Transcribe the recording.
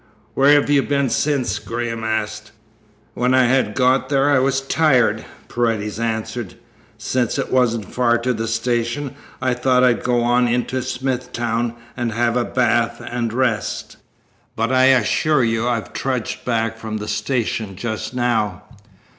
"Where have you been since?" Graham asked. "When I had got there I was tired," Paredes answered. "Since it wasn't far to the station I thought I'd go on into Smithtown and have a bath and rest. But I assure you I've trudged back from the station just now."